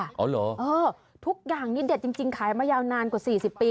อ๋อเหรอเออทุกอย่างนี้เด็ดจริงขายมายาวนานกว่า๔๐ปี